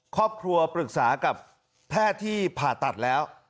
ครอบครัวปรึกษากับแพทย์ที่ผ่าตัดแล้ว